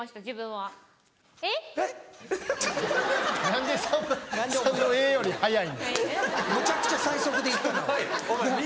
はい。